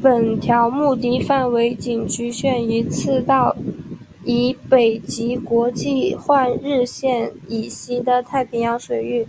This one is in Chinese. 本条目的范围仅局限于赤道以北及国际换日线以西的太平洋水域。